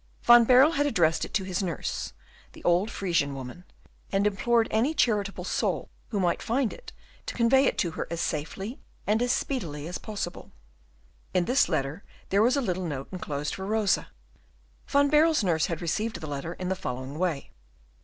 Van Baerle had addressed it to his nurse, the old Frisian woman; and implored any charitable soul who might find it to convey it to her as safely and as speedily as possible. In this letter there was a little note enclosed for Rosa. Van Baerle's nurse had received the letter in the following way.